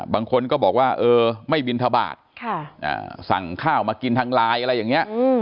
บางคนก็บอกว่าเออไม่บินทบาทสั่งข้าวมากินทางไลน์อะไรอย่างนี้